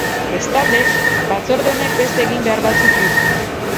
Bestalde, batzorde honek beste eginbehar batzuk ditu.